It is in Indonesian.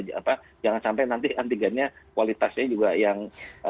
jangan sampai nanti antigennya kualitasnya juga yang